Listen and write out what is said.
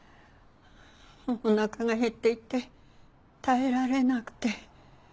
おなかが減っていて耐えられなくて。